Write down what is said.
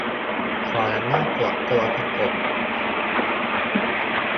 ขออนุญาตตรวจตัวสะกด